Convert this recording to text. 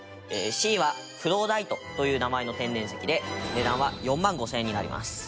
Ｃはフローライトという名前の天然石で値段は４万５０００円になります。